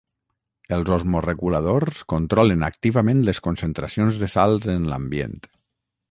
Els osmoreguladors controlen activament les concentracions de sals en l'ambient.